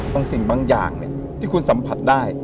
สิ่งบางอย่างที่คุณสัมผัสได้